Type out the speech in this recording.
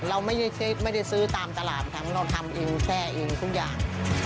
เราไม่ได้ซื้อตามตลาดทั้งเราทำเองแช่เองทุกอย่าง